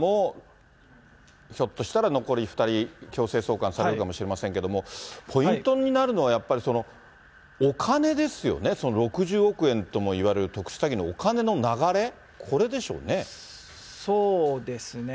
本格的にあしたもひょっとしたら残り２人、強制送還されるかもしれませんけども、ポイントになるのはやっぱりお金ですよね、６０億円ともいわれる、特殊詐欺のお金の流れ、そうですね。